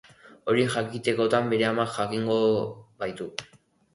Hori jakitekotan bere amak jakingo baitu.